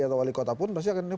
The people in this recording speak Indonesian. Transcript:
atau wali kota pun pasti akan